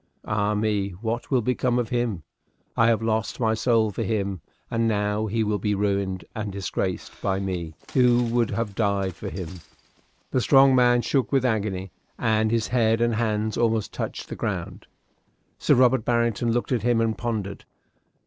Ah, me! what will become of him? I have lost my soul for him, and now he will be ruined and disgraced by me, who would have died for him." The strong man shook with agony, and his head and hands almost touched the ground. Sir Robert Barrington looked at him and pondered.